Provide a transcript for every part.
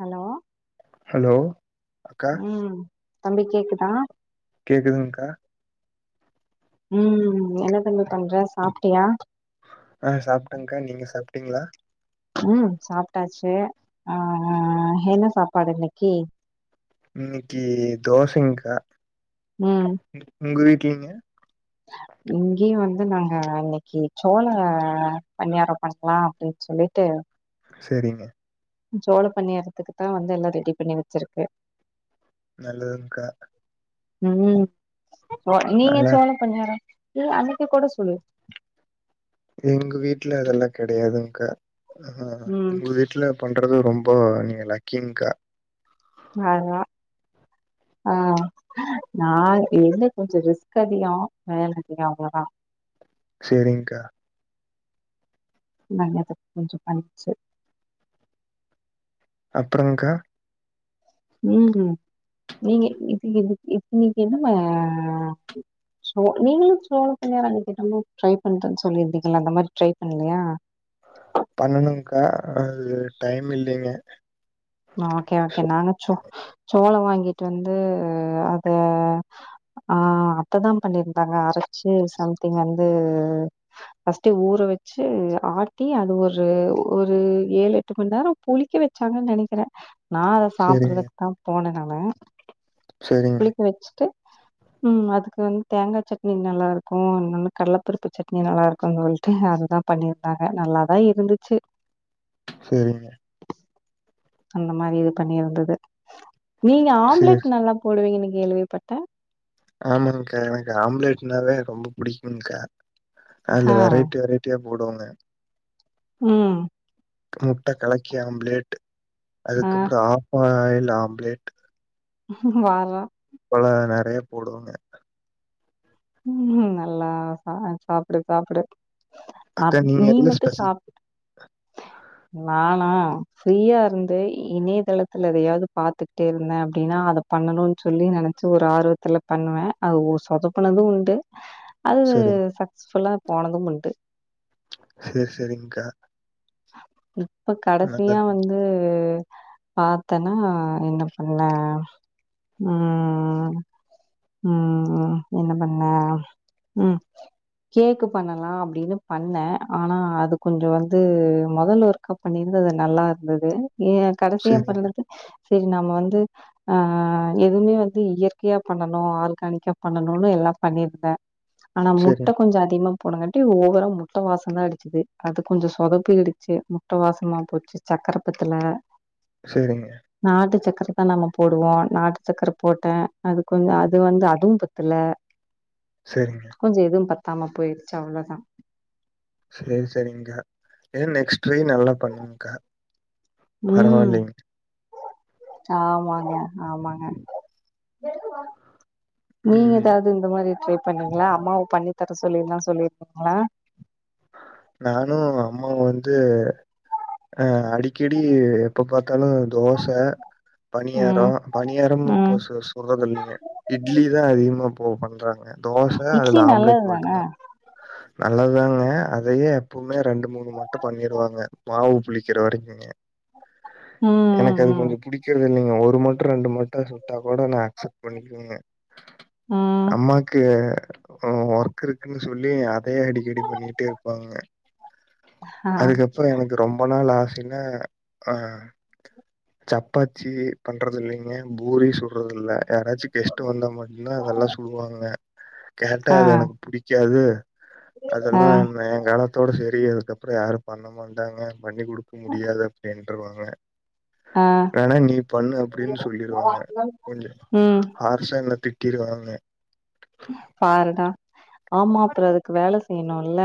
Hello hello அக்கா உம் தம்பி கேக்குதா கேக்குதுங்க கா உஹம் என்ன தம்பி பண்ற சாப்பிட்டியா ஆஹ் சாப்பிட்டங்க்கா நீங்க சாப்பிட்டீங்களா ம் சாப்ட்டாச்சு பாடு இன்னைக்கி இன்னைக்கு தோசைங்க்கா உங்க வீ இட்லிங்க இங்கேயும் நாங்க இன்னைக்கு சோள பணியாரம் பண்ணிக்கலாம் அப்படின்னு சொல்லிட்டு சரிங்க சோளம் பண்ணிறதுக்கு தான் வந்து எல்லாம் ரெடி பண்ணி வச்சிருக்கு நல்லதுங்கா உம் ஆ நீங்க நல்லா சோழ இருக்கு. பணியாரம் இ அதுக்கு கூட சொல்லு எங்க வீட்டுல அதெல்லா கெடையாதுங்க்கா ஆஹா ம் உங்க வீட்ல பண்றது ரொம்ப நீங்க லக்கிங்க்கா அதா ஆஹ் நா என்ன கொஞ்சம் ரிஸ்க் அதிகோ வேல அதிகம் அவ்ளதா செரிங்க்கா நல்லது கொஞ்ச பன்ச் அப்புறம்கா உம் நீங்க இது இது இது நீக்கு என்ன சோ நீங்களு சோழ பனியாரம் அன்னைக்கு என்னமு ட்ரை பண்றன்னு சொல்லிருந்தக்கல அந்த மாரி ட்ரை பண்லையா பண்ணனுங்க்கா அது டைம் இல்லைங்க ஓகே ஓகே நாங்க சோ சோளம் வாங்கிட்டு வந்து அத ஆ அத்ததா பண்ணிருந்தாங்க அரைச்சு சம்திங் வந்து பர்ஸ்ட் ஊற வச்சு ஆட்டி அது ஒரு ஒரு ஏழு எட்டு மணி நேரம் புளிக்க வச்சாங்கு நெனைக் க்றே நா அத சரிங்க சாப்பறதுக்கு தா போனே நா நா சரிங்க குளிக்க வச்சுட்டு உம் அதுக்கு வந்து தேங்கா சட்னி நல்லா இருக்கு இன்னொன்னு கடலப்பருப்பு சட்னி நல்லா இருக்குனு சொல்லிட்டு அதுதா பண்ணிருந்தாங்க நல்லாதா இருந்துச்சு சரிங்க அந்த மாரி இது பண்ணிருந்தது நீங்க சேரி ஆம்லெட் நல்லா போடுவீங்கன் கேள்விப்பட்டே ஆமாங்கா எனக்கு ஆம்லெட்னாவே ரொம்ப புடிக்கும்கா அ ஆஹா! இதுல வெரைட்டி வெரைட்டியா போடுவாங்க உம் முட்ட கலக்கி ஆம்லேட் ஆ அதுக்கப்புறம் ஆஃப்பாயி ஆம்லேட் வேற இப்பல நெறைய போடுவங்க உம் நல்லா சா சாப்டு சாப்டு அக்கா அப் நீங்க நீ எதுல மட்டு ஸ்பெஷல் சாப்ட் நானா ஃப்ரீயா இருந்து இணையதளத்துல எதையாவது பாத்துட்டே இருந்தே அப்டின்னா அத பண்ணணுனு சொல்லி நெனச்சு ஒரு ஆர்வத்துல பண்ணுவே அது ஓ சொதப் ப்புனது உண்டு அது சரிங்க. சக்சஸ்புஃல்லா போனதும் உண்டு சரி, சரிங்கக்கா. இப்ப நல்லா கடசியா இருக்கு. வந்து பாத்தனா என்ன பண்ண ம் ம் என்ன பண்ண ம் கேக்கு பண்ணலா அப்டின்னு பண்ணே ஆனா அது கொஞ்ச வந்து மொதல்ல ஒருக்கா பண்ணிருந்த அது நல்லாருந்தது ஏ கடைசியா சரிங்க, பண்ணுனது செரி நம்ம வந்து ஆ எதுவுமே வந்து இயற்கையா பண்ண னு ஆர்கானிக்கா பண்ணணுனு எல்லா பண்ணிருந்தே ஆனா முட்ட சரிங்க, கொஞ்ச அதிகமா போனங்காட்டி ஓவரா முட்ட வாசந்தா அடிச்சுது அது கொஞ்ச சொதப்பிடிச்சு முட்ட வாசமா போச்சு சக்கர பத்துல செரிங்க அஸ்கா நம்ம போடுவோ நாட்டு சக்கர போட்டே அதுக்கு கொஞ்ச அது வந்து அதுவு பத்துல சரிங்க. கொஞ்ச எதும் பத் தாம போயிருச்சு அவ்ளதா சேரி சேரிங்கா ஏ நெக்ஸ்ட் ட்ரை நல்லா பண்ணுங்க்கா ம். பரவாலிங் ஆமாங்க ஆமாங்க நீங் ம். எதாவ்து இந்த மாரி ட்ரை பண்ணீங்ளா அம்மாவ பண்ணி தர சொல்லிலா சொல்லிருக்கீங்ளா நானு அம்மாவ் வந் து அ அடிக்கடி எப்ப பாத் தலு தோச பனியாரோ ம், பனியாரமு ம். இப்ப சுடிறத இல்லிங்க இட்லி தா அதிகமா ஓ பண்றாங்க தோச இட்லி அதுல ஆம்லேட் நல்லது தானே? மட்டுந்தா நல்லத்தாங்க அதயே எப்பவுமே ரெண்டு மூணு மட்டு பண்ணிருவாங்க மாவு புளிக்கிற வரங்குங்க ம், எனக்கு ம், அது ம். கொஞ்ச புடிக்ற்து இல்லிங் ஒரு மட் ரெண்டு மட்டா சு ட்டா கூட நா அக்சப்ட் பண்ணிகுவங்க ம். அம்மாக்கு ஒர்க்கு இருக்குனு சொல்லி அதயே அடிக்கடி பண்ணிகிட்டே இரு பாங்க ஆ, அதுக்கப்ற எனக்கு ரொம்ப நாள் ஆ சின்னா அ சப்பாச்தி பண்றதில்லிங்க பூரி சுட்றதுல்ல யாராச்சி கெஸ்ட்டு வந்தா மட்டுந்தா அதல்லா சுடுவாங்க கேட்டா ஆ, அது எனக்கு புடிக்காது ஆ, அதெல்லா எ காலத்தோட சரி அதுக்கப்பறோ யாரு பண்ண மாட்டாங்க பண்ணி குடுக்க முடியாது அப்டின் ட்ருவாங்க ஆ. வேணா நீ பண்ணு அப்டின்னு சொல்லிருவாங்க கொஞ்ச ம். ஹார்ஸா என்ன திட் டிருவாங்க பாருடா ஆமா அப்புற அதுக்கு வேல செய்யணுல்ல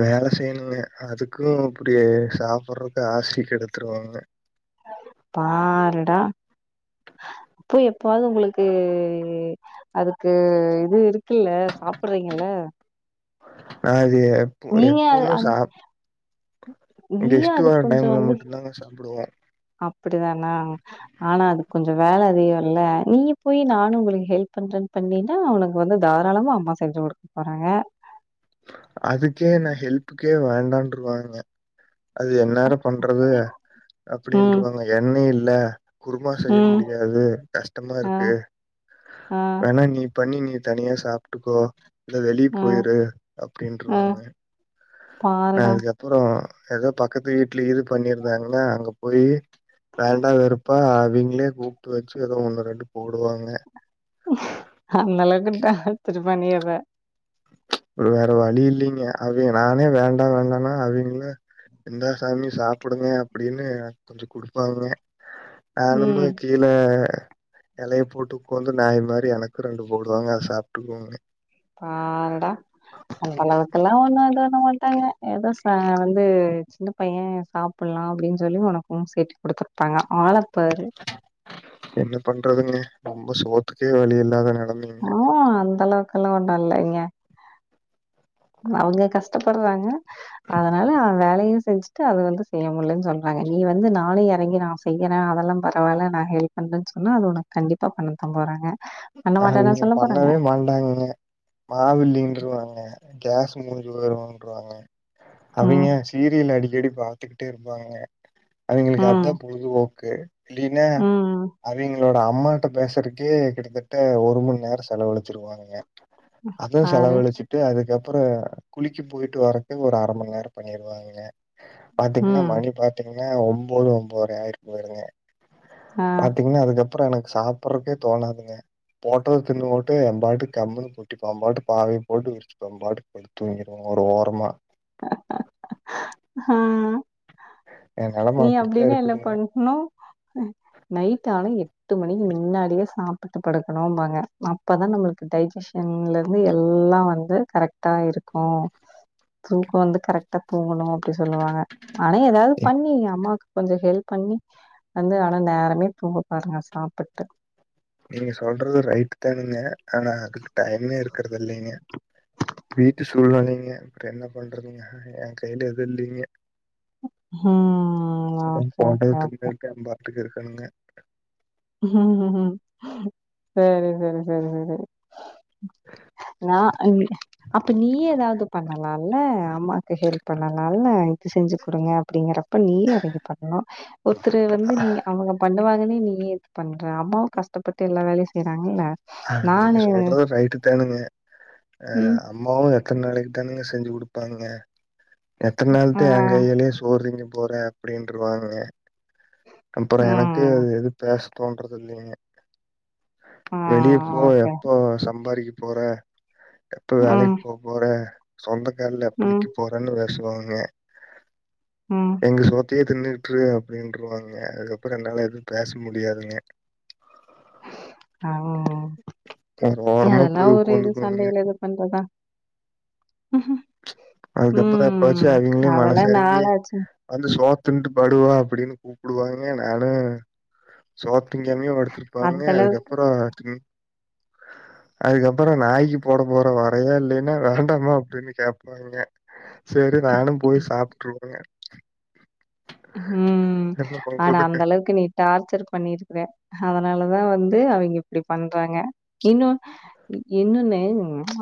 வேல செய்யணுங்க அதுக்கு இப்டி சாப்பறதுக்கு ஆசி கெடுத்துருவாங்க பாருடா அப்போ எப்பவாது உங்களுக்கு அதுக்கு இது இருக்குல்ல சாப்பறீங்கல்ல அ இப் அது எப்பு அது எப்புமே அந் சாப் நீயு கெஸ்ட் அதுக்கு வர கொஞ்சோ டைம்ல மட்டுந்தாங்க சாப்புடுவோ அப்படிதானா ஆனா அது கொஞ்சொ வேல அதிகொல்ல நீயு போயி நானு உங்களுக்கு ஹெல்ப் பண்றேன் பண்ணிருந்தா உனக்கு வந்து தாராளமா அம்மா செஞ்சு குடுக்க போறாங்க அதுக்கே நா ஹெல்ப்புக்கே வேண்டான்றுவாங்க அது என்நேர பண்றது ம் அப்படின்றுவாங்க எண்ணெயில் ல குருமா செய்ய ம் முடியாது கஷ்டமா ஆ இருக்கு ஆ வேணா நீ பண்ணி நீ தனியா சாப்டுக்கோ இல்ல வெளிய் ஆ போயிரு ஆ அப்டின்றுவாங்க நா பாருடா அதுக்கப்பறோ ஏதோ பக்கத்து வீட்ல இது பண்ணிருந்தாங்கன்னா அங்க போயி வேண்டா வெறுப்பா அவிங்ளே கூப்ட்டு வச்சி எதோ ஒண்ணு ரெண்டு போடுவாங்க அந்த அளவுக்கிட்டா திரு பண்ணீயற ச் ஒரு வேற வழி இல்லீங்க அவிங் நானே வேண்டா வேண்டானா அவிங்ளே இந்தா சாமி சாப்புடுங்க அப்படின்னு கொஞ்ச குடுப்பாங்க ஆன மா ம் கீழ எலய போட்டு உக்காந்து நாய் மாரி எனக்கு ரண்டு போடுவாங்க அத சாப்ட்டுக்குவோங்க பாவ் ஆ அந்த அளவுக்கெல்லா [unintelligible] வண்ட்டாய்ங்க ஏதோ சா வந்து சின்ன பைய சாப்லா அப்டின்னு சொல்லி ஒனக்கும் சேத்தி குடுத்துரு பாங்க ஆளப்பாரு என்ன பண்றதுங்க ரொம்ப சோத்துக்கே வழி இல்லாத நெல ஆ அந்த அளவுக் கழுவனுயில்லைங்க அவுங்க கஷ்டப்படுறாங்க அதனால அவ வேலயு ஜஸ்ட்ட்டு அத வந்து செய்யமுல்லன்னு சொல்றாங்க நீ வந்து நானு எறங்கி நா செய்யிறே அதெல்லா பரவாயில்ல நா ஹெல்ப் பண்ணறேன்னு சொன்னா அது உனக்கு கண்டிப்பா பண்ணத்தா போறாங்க பண்ண மாட்டேன்னா அவிங்க சொல்ல போறாங்க பண்ணவே மாட்டாங்கங்க மாவு இல்லேன்னுருவாங்க கேஸ் மூட்ஞ்சி போயிருன்ருவாங்க ம் அவிங்க சீரியல் அடிக் தேடி பாத்துக்கிட்டே இருப்பாய்ங்க அவிங்களுக்கு ம் அதா பொழுதுபோக் கே இல்லின்னா ம் அவிங்க எங்களோட அம்மாட்ட பேசுறக்கே கிட்டத்தட் ட்ட ஒரு மணி நேர செலவழிச்சிருவானுங்க அதுவு பாரு செலவழிச்சிட்டு அதுக்கப் அப்பறோ குளிக்க போயிட்டு வரக்கே ஒரு அர மணி நேர பண்ணீருவாங்கங்க பாத்தீங்கன்னா ம் மணி பாத்தீங்க ஏங்க ஒம்போது ஒம்போதர ஆயிர பாருங்க ஆ பாத்தீங்கன்னா அதுக்கப் றோ எனக்கு சாப்ட்றக்கே தோணாதுங்க போட்டத தின்னு போட்டு எம்பாட்டுக்கு கம்முன்னு பொட்டிப்பாம்பாட்டு பாய போட்டு விரிச்சு எம்பாட்டுக்கு படுத்து தூங்கிருவ ஒரு ஓரமா ஆ என் நெலம நீ அப்படித்தான் அப்டின்னா என்ன இருக்குதுங்க. பண்ணன்னு நைட் ஆனா எட்டு மணிக்கு மின்னாடியே சாப் சாப்ட்டு படுக்கணும்பாங்க அப்பதா நம்மளுக்கு டைஜஷன்லருந்து எல்லா வந்து கரெக்டா இருக்கு தூக்கோ வந்து கரெக்டா தூங்கணு அப்டி சொல்லுவாங்க ஆனா ஏதாவத் அம்மாவுக்கு கொஞ்ச ஹெல்ப் பண்ணி வந்து ஆனா நேரமே தூங்க பாருங்க சாப்பிட்டு நீங்க சொல்றது ரைட்டு தானுங்க ஆனா அதுக்கு டையமே இருக்கறதுல்லைங்க வீட்டு சூழ் நெலைங்க அப்ற என்ன பண்றதுங்க எ கைல எது இல்லிங்க ஹ லாஸ்டா பாப்போ விட்டுட் இருக்கணுங்க ஹ்ம்ஹ்ம் சேரி செரி செரி செரி நா ஐமீ அப்ப நீயே எதாவது பண்ணல் நல்ல அம்மாக்கு ஹெல்ப் பண்ணலால்ல இது செஞ்சு குடுங்க அப்டிங்கறா அப்ப நீயே அரேஞ்சு பண்லா ஒருத்தரு வந்து நீங்க அவுங்க பண்ணுவாங் தானே நீயே பண்ற அம்மாவு கஷ்டப்பட்டு எல்லா வேலையும் அ நீங்க சொல்றது ரைட்டு தாணுங்க அ ம் அம்மாவு கன் நாளைக்கு தானேங்க செஞ்சு குடுப்பாங்க எத்தன் ஆ நாாளுத எங் கையாலேயே சோறு திங்க போற அப்படின்றுவாங்க கம்ப்பறொ எனக்கு அது ம் எது பேச தோன்றது இல்லைங்க ஆ வெளியே போய் ஓகே எப்போ சம்பாதிக்கு போற எப்ப ம் வேலைக்கு போப்போற சொந்தக் ஏன்டா ம் அப்புளிக்கு போறன்னுவே சொல்லுவாங்க ம் எங்க சொ அப்டியே தின்னுட்டுரு அப்டின்டு சொல்லுவாங்க அதுக்கப்புற என்னால எதுவு பேச முடியாதுங்க ஆ ஒரு ஓரமா அதெல்லா போய் ஒரு இது உட்காந்துக்குவனுங்க. சண்டையில இது பண்றதா ம்ஹ்ம். அதுக்கப்பற எப்பாச்சு ம் அவிங்களே அதெல்லா மனசெறங்கி நாளாச்சு வந்து சோத் திண்ட்டு படு வா அப்டின்னு கூப்புடுவாங்க நானு சோத் திங்காமயே படுத்துருப்பாங்க அந்த அளவுக்கு அதுக்கப்பறோ திங் அதுக்கப்பறோ நாய்க்கு போட போற வரயா இல்லைன்னா வேண்டாமா அப்டின்னு கேப் ங்க செரி நானு போய் சாப்ட்டுருவங்க உஹ்ம் ஆனா பண்றதுங்க? அந்தளவுக்கு நீ டார்ச்சர் பண்ணிருக்கிற அதனாலதா வந்து து அவெங்க இப்டி பண்றாங்க இன்னு இன்னொன்னு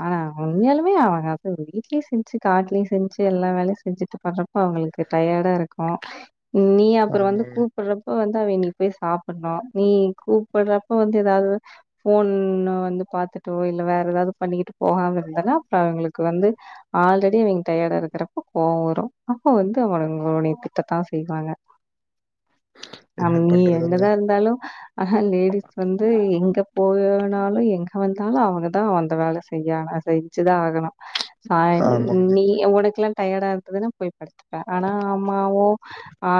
ஆனா உண்மயாலுமே அவங்க வீட்லயு செஞ்சு காட்டுலயு செஞ்சு எல்லா வேலையு செஞ்சுட்டு பட்றப்போ அவங்களுக்கு டயர்டா இருக்கு நீ அப்பற வந்து ஆமாங்க. கூப்புட்றப்ப வந்து து நீ போய் சாப்புட்ணு நீ கூப்பிட்றப்ப வந்து எதாவது ஃபோன் வந்து பாத்துட்டோ இல்ல வேற எதாவது பண்ணிக்கிட்டு போகாம இருந்தனா அப்ற அவங்களுக்கு வந்து ஆல்ரெடி அவங்க டயர்டா இருக்கிறப்ப கோவ வரு அப்ப வந்து அவனுங்க உன்னைய திட் திட்டத்தா செய்வாங்க ஆம் என்ன நீ பண்றதுங்க? என்னதா இருந்தாலு ஆஹா லேடிஸ் வந்து எங்க போகல்லைனாலு எங்க வந்தாலு அவங்கதா அந்த வேலை செய்ய செஞ்சுதா ஆகணு [unintelligible] ஆமாங்க. நீ உனக்கெல்லா டயர்டா இருந்ததுனா போய் படுத்துப்பே ஆனா அம்மாவோ ஆ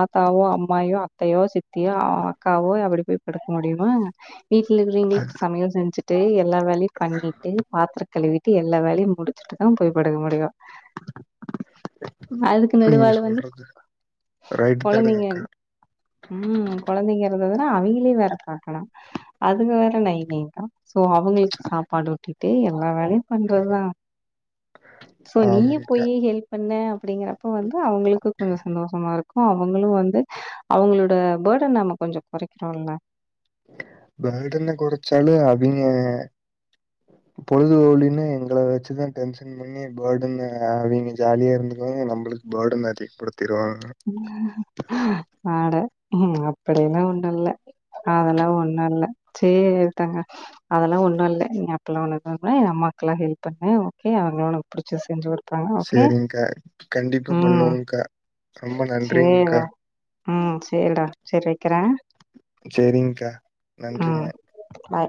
ஆத்தாவோ அம்மாயியோ அத்தையோ சித்தியோ அக்காவோ அப்படி போய் படுக்க முடியுமா வீட்ல இருக்கிறவிங்களுக்கு அது சமையல் செஞ்சு டேய் எல்லா வேலை பண்ணிட்டு பாத்தர கழுவிட்டு எல்லா வேலையு முடு ச்சுட்டு தா போய் படுக்க முடியு அதுக்கு நடுவால வந்து வந்து ரைட்டு குழந்தைங்க தானங்கக்கா ம் கொழந்தைங்க இருந்ததுனா அவங்களயு வேற பாக்கனு அதுங்க வேற நை நைங்கு சோ அவங்களுக்கு சாப்பாடு ஊட்டிட்டு எல் லா வேலயு பண்றதுதா சோ நீயொ ஆமாங்கக்கா. போய் ஹெல்ப் பண்ணே அப்டிங்கிறப்போ வந்து அவங்களுக்கு கொஞ்சொ சந்தோஷமா இருக் அவங்களு வந்து அவங்களோட பர்டன் நம்ம கொஞ்சொ கொறைக்கிறோல்ல பர்டன கொறச்சாளு அவைங்க பொழுதுபோலின்னு எங்கள வெ சுதா டென்ஷன் பண்ணி பர்டன் அவங்க ஜாலியா இருந்துடுவாங்க நம்பளுக்கு பர்டன் அதிகப்படுத ஹ்ஹ்ம் அட உஹ்ம் அப்படியெல்லா ஒண்ணு இல்ல அதெல்லா ஒண்ணு இல்ல சேரி எடுத்தாங்க அதெல்லா ஒண்ணு இல்ல நீ அப்டில்லா ஒண்ணு [unintelligible] அம்மாக்கெல்லா ஹெல்ப் பண்ணு ஓகே அவங்க ஒனக் பிடிச்சது செஞ்சு குடுப் சரிங்கா கண்டிப்பா ம் பண்ணுவேங்கா ரொம்ப நன்றிங்கக்கா உம் சேரிடா செரி வைக்கிறே செரிங்கக்கா ம் நன்றிங்க பாய்